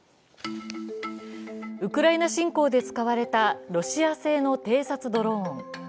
ウクライナ侵攻で使われたロシア製の偵察ドローン。